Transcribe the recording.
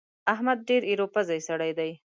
احمد ډېر ايرو پزی سړی دی.